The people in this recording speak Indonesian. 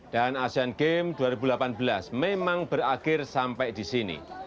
dan asian games dua ribu delapan belas memang berakhir sampai di sini